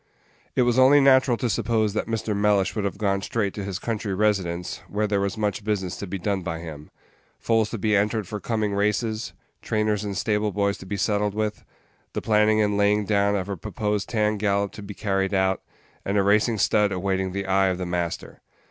It was only natural to suppose that Mr. Mellish would have gone straight to his country residence, where there was much business to be done by him: foals to be entered for coming races, trainers and stable boys to be settled with, the planning and laying down of a proposed tan gallop to be carried out, and a racing stud awaiting the eye of the master.